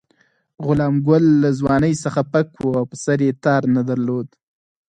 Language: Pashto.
غلام ګل له ځوانۍ څخه پک وو او پر سر یې تار نه درلود.